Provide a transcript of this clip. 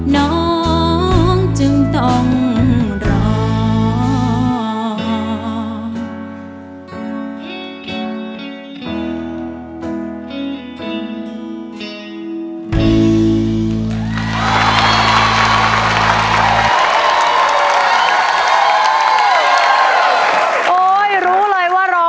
น้องจึงต้องรอ